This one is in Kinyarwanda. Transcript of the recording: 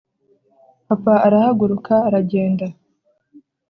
papa arahaguruka aragenda